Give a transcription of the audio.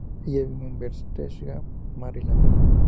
Ella vive en Bethesda, Maryland.